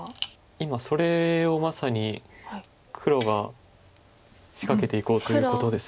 今それをまさに黒が仕掛けていこうということです。